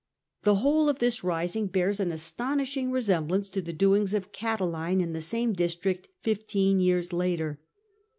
The whole of this rising bears an astonishing resemblance to the doings of Oataline in the same district fifteen years later.